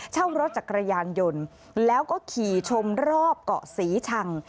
เช่ารถจักรยานยนต์แล้วก็ขี่ชมรอบเกาะศรีชัง